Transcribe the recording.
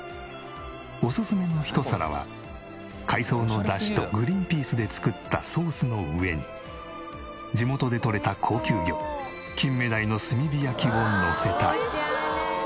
おすすめのひと皿は海藻のダシとグリーンピースで作ったソースの上に地元でとれた高級魚金目鯛の炭火焼きをのせた。